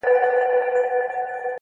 • بيا دي توري سترگي زما پر لوري نه کړې.